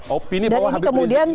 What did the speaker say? dan ini kemudian